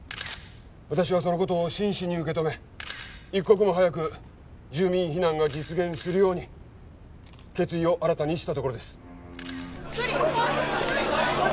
私はそのことを真摯に受けとめ一刻も早く住民避難が実現するように決意を新たにしたところです・総理！